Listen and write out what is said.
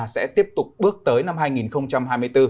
sẽ tiếp tục bước tới năm hai nghìn hai mươi bốn